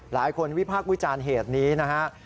หลายคนวิพากษ์วิจารณ์เหตุนี้นะครับ